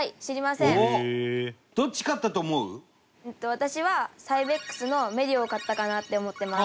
私はサイベックスのメリオを買ったかなって思ってます。